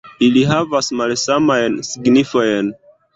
Ili havas malsamajn signifojn.